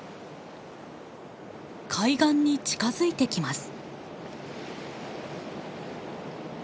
海岸に近づいてきます。